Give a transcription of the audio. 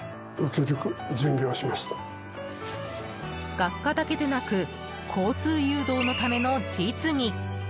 学科だけでなく交通誘導のための実技。